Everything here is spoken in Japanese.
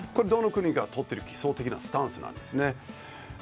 どの国もとっている理想的なスタンスなんですね。